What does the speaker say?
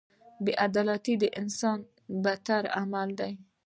• بې عدالتي د انسان بدترین عمل دی.